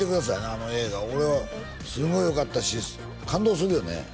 あの映画俺すごいよかったし感動するよね